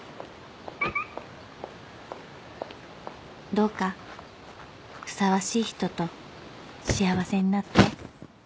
「どうかふさわしい人と幸せになって」